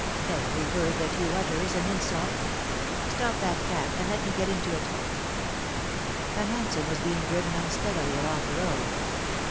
Every word that you utter is an insulL Stop that cab, and let me get into it' \ hansom was being driven unsteadily along the road.